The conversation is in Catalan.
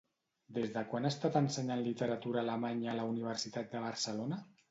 Des de quan ha estat ensenyant literatura alemanya a la Universitat de Barcelona?